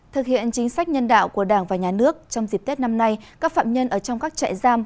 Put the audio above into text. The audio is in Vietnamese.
thực hiện chính sách nhân đạo của đảng và nhà nước trong dịp tết năm nay các phạm nhân ở trong các trại giam